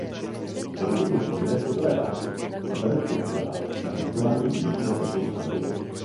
Po vypuknutí druhé světové války se peruť podílela na hlídkování u jižního pobřeží Anglie.